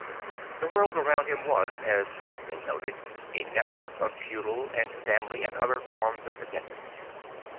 The world around him was, as has been noted, a network of feudal and family and other forms of dependence.